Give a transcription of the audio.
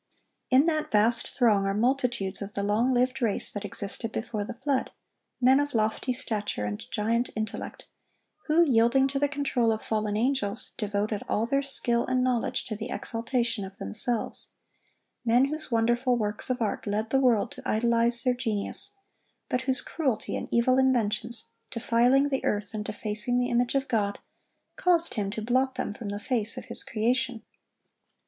In that vast throng are multitudes of the long lived race that existed before the flood; men of lofty stature and giant intellect, who, yielding to the control of fallen angels, devoted all their skill and knowledge to the exaltation of themselves; men whose wonderful works of art led the world to idolize their genius, but whose cruelty and evil inventions, defiling the earth and defacing the image of God, caused Him to blot them from the face of His creation.